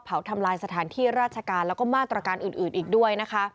ทำลายสถานที่ราชการแล้วก็มาตรการอื่นอีกด้วยนะคะ